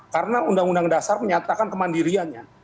karena undang undang dasar menyatakan kemandiriannya